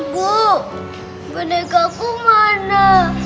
bu boneka aku mana